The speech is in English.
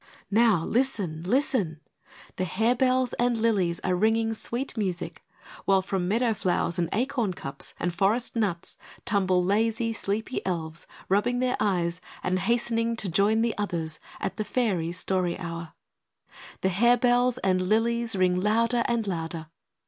Now! Listen! Listen! The harebells and lilies are ringing sweet music, while from meadow flowers and acorn cups and forest nuts tumble lazy, sleepy Elves rubbing their eyes, and hastening to join the others at the Fairies' Story Hour. The harebells and lilies ring louder and louder.